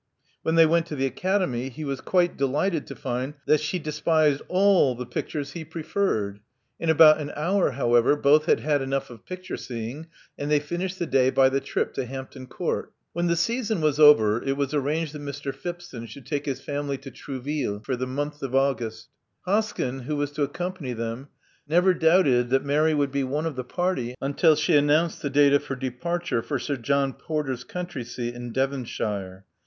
When they went to the Academy, he was quite delighted to find that she despised all the pictures Love Among the Artists 287 he preferred. In about an hour, however, both had had enough of picture seeing and they finished the day by the trip to Hampton Court. When the season was over, it was arranged that Mr. Phipson should take his family to Trouville for the month of August. Hoskyn, who was to accompany them, never doubted that Mary would be one of the party until she announced the date of her departure for Sir John Porter's country seat in Devonshire.